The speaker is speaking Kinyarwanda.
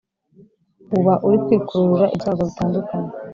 uba uri kwikururira ibyago bitandukanye.